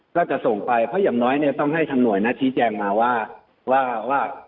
ก็จะส่งไปเพราะอย่างน้อยเนี่ยต้องให้ทางหน่วยนะชี้แจงมาว่าว่า